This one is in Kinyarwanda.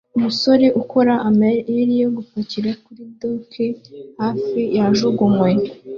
Umusore ukora amayeri yo gupakira kuri dock hafi yajugunywe